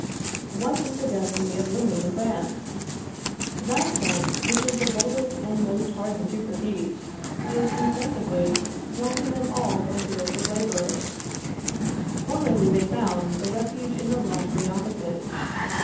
What is the destiny of women in France? That sex which is the boldest and most hardened to fatigue, is, insensibly, driving them from all fields of labor. Formerly they found a refuge in the lottery offices.